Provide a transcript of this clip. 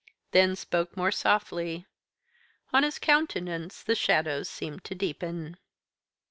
Then spoke more softly. On his countenance the shadows seemed to deepen.